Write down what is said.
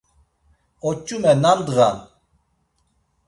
Oç̌ume nam ndğa’n?